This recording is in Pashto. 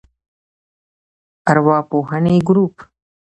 ارواپوهنې ګروپ